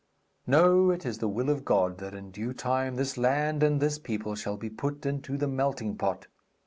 No, it is the will of God that in due time this land and this people shall be put into the melting pot.